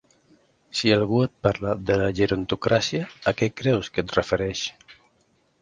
Si algú et parla de la gerontocràcia, ¿a què creus que es refereix?